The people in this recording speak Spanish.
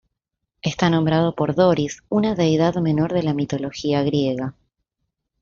Está nombrado por Doris, una deidad menor de la mitología griega.